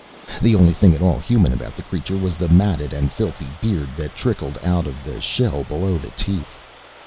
The only thing at all human about the creature was the matted and filthy beard that trickled out of the shell below the teeth.